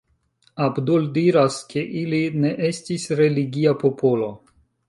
Abdul diras ke ili ne estis religia popolo.